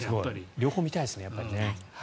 両方見たいですね。